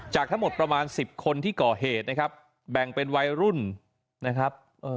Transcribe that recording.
จากทั้งหมดประมาณ๑๐คนที่ก่อเหตุนะครับแบ่งเป็นวัยรุ่นนะครับ